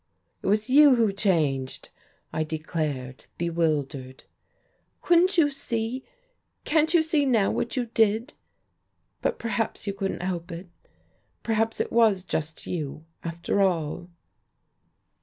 "It was you who changed," I declared, bewildered. "Couldn't you see can't you see now what you did? But perhaps you couldn't help it. Perhaps it was just you, after all."